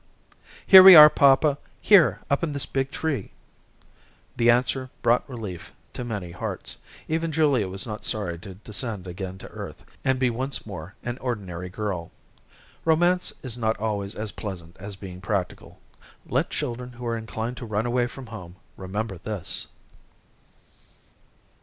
"Here we are, papa. Here, up in this big tree." This answer brought relief to many hearts. Even Julia was not sorry to descend again to earth, and be once more an ordinary girl. Romance is not always as pleasant as being practical. Let children who are inclined to run away from home, remember this.